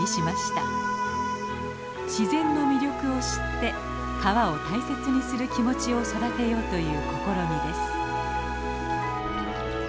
自然の魅力を知って川を大切にする気持ちを育てようという試みです。